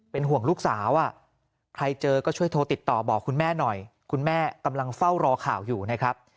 เป็นห่วงลูกสาวใครเจอก็ช่วยโทรติดต่อบอกคุณแม่หน่อยคุณแม่กำลังเฝ้ารอข่าวอยู่นะครับ